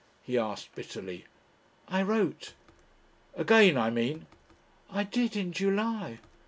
he asked bitterly. "I wrote." "Again, I mean." "I did in July."